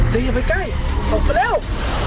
ตียังไปใกล้ตกไปเร็ว